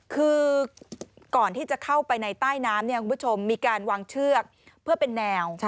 คือก่อนที่จะเข้าไปในใต้น้ำมีการวางเชือกเพื่อเป็นแนว